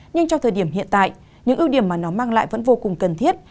nhưng trong thời điểm hiện tại những ưu điểm mà nó mang lại vẫn vô cùng cần thiết